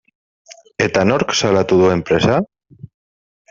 Eta nork salatu du enpresa?